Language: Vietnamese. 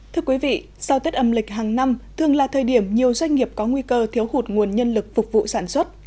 thưa quý vị sau tết âm lịch hàng năm thường là thời điểm nhiều doanh nghiệp có nguy cơ thiếu hụt nguồn nhân lực phục vụ sản xuất